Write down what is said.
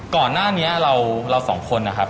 ก่อนหน้านี้เราสองคนนะครับ